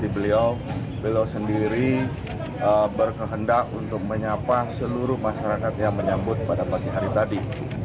beliau beliau sendiri berkehendak untuk menyapa seluruh masyarakat yang menyambut pada pagi hari tadi